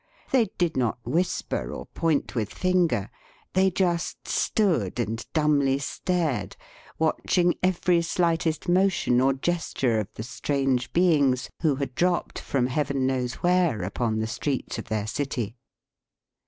They did not whisper or point with finger. They just stood and dumbly stared, watching every sUghtest motion or gesture of the strange beings who had dropped from Heaven knows where upon the streets of their city.